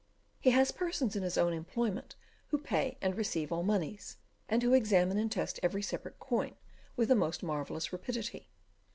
He has persons in his own employment who pay and receive all monies, and who examine and test every separate coin with the most marvellous rapidity.